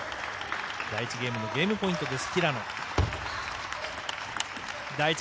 第１ゲームのゲームポイントです。